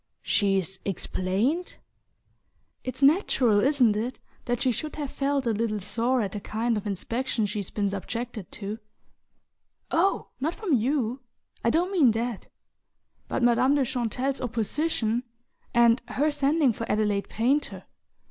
"She's explained ?" "It's natural, isn't it, that she should have felt a little sore at the kind of inspection she's been subjected to? Oh, not from you I don't mean that! But Madame de Chantelle's opposition and her sending for Adelaide Painter!